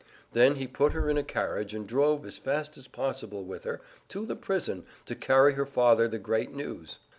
Then he put her in a carriage and drove as fast as possible with her to the prison to carry her father the great news.